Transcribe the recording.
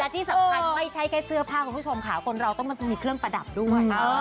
ที่สำคัญไม่ใช่แค่เสื้อผ้าคุณผู้ชมค่ะคนเราต้องมีเครื่องประดับด้วย